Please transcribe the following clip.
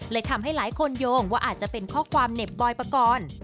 ทำให้หลายคนโยงว่าอาจจะเป็นข้อความเหน็บบอยปกรณ์